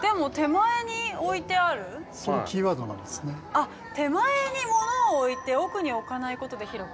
あっ手前に物を置いて奥に置かないことで広く見せる？